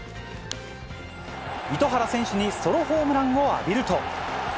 糸原選手にソロホームランを浴びると。